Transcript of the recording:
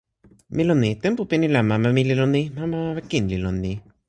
mi lon ni. tenpo pini la mama mi li lon ni. mama mama kin li lon ni.